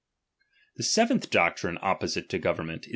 The seventh doctrine opposite to government, tui img!'